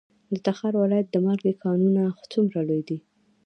د تخار ولایت د مالګې کانونه څومره لوی دي؟